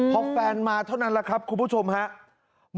พอแฟนมาเท่านั้นแหละครับคุณผู้ชมครับ